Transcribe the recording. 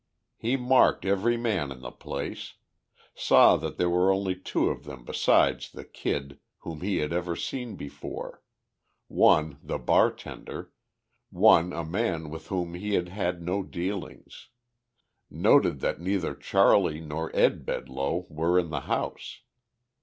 He marked every man in the place; saw that there were only two of them besides the Kid whom he had ever seen before, one the bartender, one a man with whom he had had no dealings; noted that neither Charley nor Ed Bedloe were in the house.